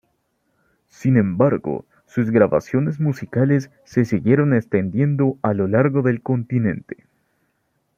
Sin embargo, sus grabaciones musicales se siguieron extendiendo a lo largo del continente.